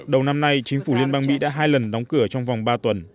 đầu năm nay chính phủ liên bang mỹ đã hai lần đóng cửa trong vòng ba tuần